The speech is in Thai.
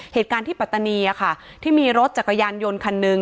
เหตุการณ์ที่ปัตตานีค่ะที่มีรถจักรยานยนต์คันหนึ่ง